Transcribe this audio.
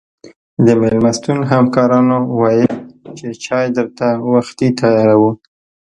د مېلمستون همکارانو ویل چې چای درته وختي تیاروو.